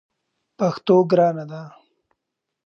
پښتو ګرانه ده!